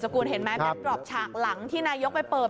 เป็นตรอบฉากหลังที่นายกไปเปิด